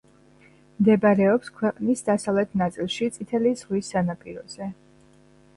მდებარეობს ქვეყნის დასავლეთ ნაწილში წითელი ზღვის სანაპიროზე.